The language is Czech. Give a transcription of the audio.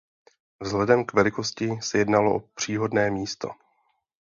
Vzhledem k velikosti se jednalo o příhodné místo.